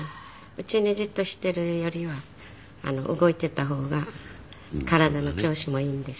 家にじっとしているよりは動いていた方が体の調子もいいんです。